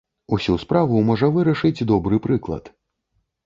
Усю справу можа вырашыць добры прыклад.